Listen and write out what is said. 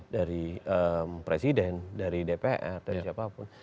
dari presiden dari dpr dari siapa pun